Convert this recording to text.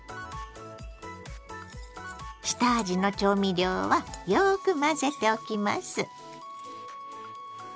下味の調味料はよく混ぜておきます。